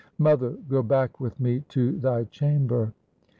"Mother, go back with me to thy chamber."